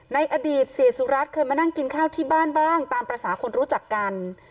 ในอดีตเสียสุรัตน์เคยมานั่งกินข้าวที่บ้านบ้างตามภาษาคนรู้จักกัน